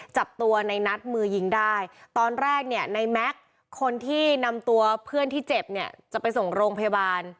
จับตัวในนัดมือยิงได้ตอนแรกเนี่ยในแม็กซ์คนที่นำตัวเพื่อนที่เจ็บเนี่ยจะไปส่งโรงพยาบาล